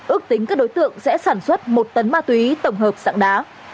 ước tính các đối tượng sẽ sản xuất một tấn ma túy tổng hợp dạng đá